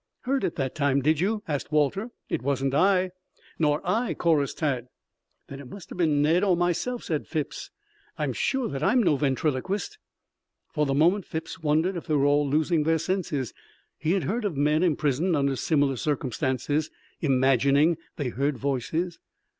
"Heard it that time, did you?" asked Walter. "It wasn't I." "Nor I," chorused Tad. "Then it must have been Ned or myself," said Phipps. "I'm sure that I am no ventriloquist." For the moment Phipps wondered if they were all losing their senses. He had heard of men, imprisoned under similar circumstances, imagining they heard voices.